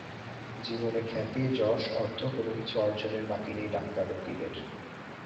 জীবনে খ্যাতি, যশ, অর্থ কোনো কিছু অর্জনের বাকি নেই ডাক্তার রকিবের।